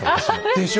でしょ？